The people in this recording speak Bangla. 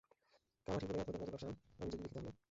কামাঠিপুরায় আপনার মদের ব্যবসা আমি যদি দেখি, তাহলে?